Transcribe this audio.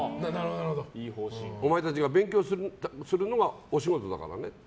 お前たちが勉強するのが仕事だからねって。